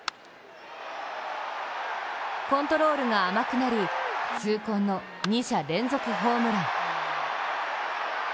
コントロールが甘くなり痛恨の２者連続ホームラン。